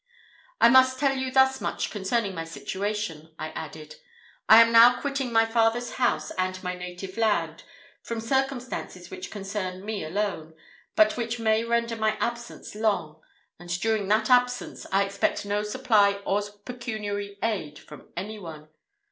"I must tell you thus much concerning my situation," I added; "I am now quitting my father's house and my native land, from circumstances which concern me alone, but which may render my absence long; and during that absence, I expect no supply or pecuniary aid from any one.